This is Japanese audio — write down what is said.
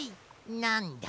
なんだ？